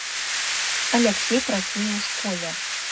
Аляксей працуе ў школе.